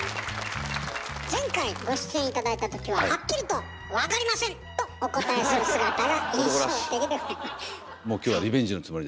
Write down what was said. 前回ご出演頂いた時ははっきりと「わかりません！」とお答えする姿が印象的で。